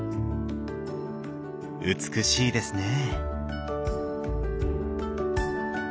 美しいですね。